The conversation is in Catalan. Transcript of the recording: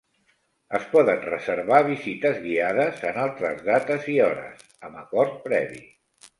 Es poden reservar visites guiades, en altres dates i hores, amb acord previ.